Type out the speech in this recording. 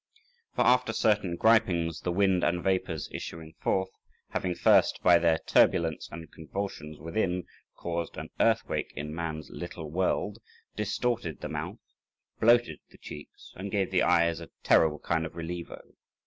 For after certain gripings, the wind and vapours issuing forth, having first by their turbulence and convulsions within caused an earthquake in man's little world, distorted the mouth, bloated the cheeks, and gave the eyes a terrible kind of relievo.